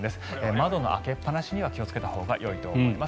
窓の開けっぱなしには気をつけたほうがよいと思います。